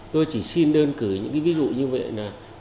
tôi chỉ xin đơn cử những ví dụ như vậy